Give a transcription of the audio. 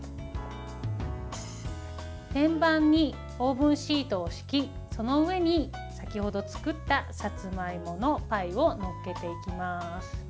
天板にオーブンシートを敷きその上に先ほど作ったさつまいものパイを載っけていきます。